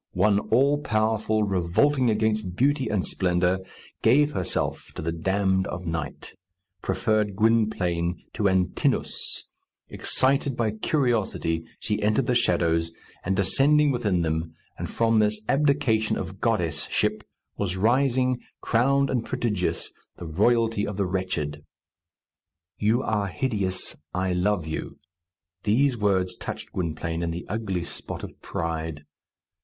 One all powerful, revolting against beauty and splendour, gave herself to the damned of night; preferred Gwynplaine to Antinoüs; excited by curiosity, she entered the shadows, and descending within them, and from this abdication of goddess ship was rising, crowned and prodigious, the royalty of the wretched. "You are hideous. I love you." These words touched Gwynplaine in the ugly spot of pride.